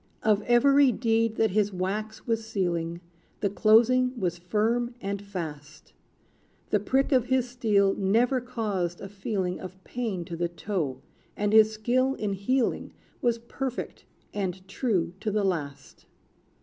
Of every deed that his wax was sealing, The closing was firm and fast. The prick of his steel never caused a feeling Of pain to the toe, and his skill in heeling Was perfect, and true to the last!